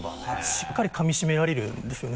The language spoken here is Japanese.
しっかりかみしめられるんですよね